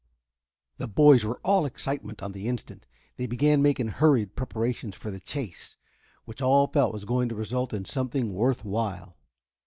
The boys were all excitement on the instant. They began making hurried preparations for the chase, which all felt was going to result in something worth while.